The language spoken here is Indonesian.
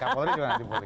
kapolri juga gak dipulih